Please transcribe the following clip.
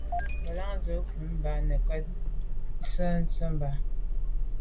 Ngelan ze nkum ba’ mi nekut là bag tswe’ tseba’.